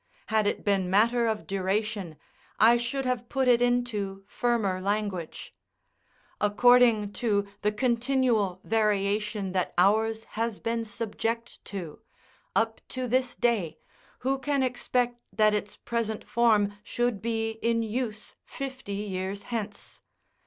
Had it been matter of duration, I should have put it into firmer language. According to the continual variation that ours has been subject to, up to this day, who can expect that its present form should be in use fifty years hence?